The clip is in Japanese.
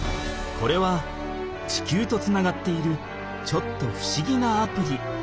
これは地球とつながっているちょっとふしぎなアプリ。